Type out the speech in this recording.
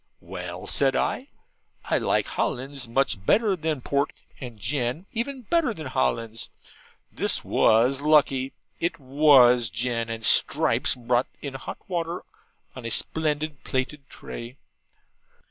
'Well,' I said, 'I like Hollands much better than port, and gin even better than Hollands.' This was lucky. It WAS gin; and Stripes brought in hot water on a splendid plated tray.